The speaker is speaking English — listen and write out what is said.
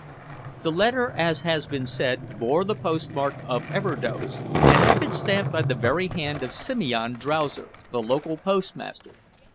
The letter, as has been said, bore the postmark of Everdoze and had been stamped by the very hand of Simeon Drowser, the local postmaster.